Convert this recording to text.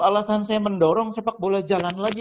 alasan saya mendorong sepak bola jangan lagi